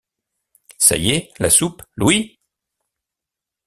Ça y est, la soupe, Louis?